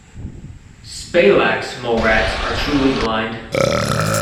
"Spalax" mole rats are truly blind.